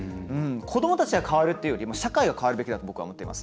子どもたちが変わるっていうよりも社会が変わるべきだと僕は思っています。